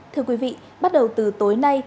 thưa quý vị bắt đầu từ tối nay